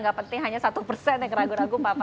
nggak penting hanya satu yang ragu ragu empat